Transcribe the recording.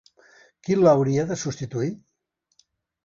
Qui l’hauria de substituir?